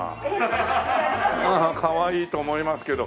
かわいいと思いますけど。